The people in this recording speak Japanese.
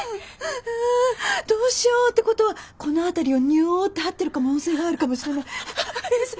あどうしよう。ってことはこの辺りをにゅおってはってる可能性があるかもしれない。